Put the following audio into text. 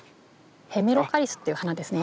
ヘメロカリスっていう花ですね。